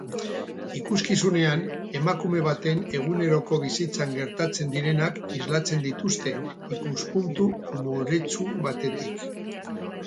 Ikuskizunean emakume baten eguneroko bizitzan gertatzen direnak islatzen dituzte ikuspuntu umoretsu batetik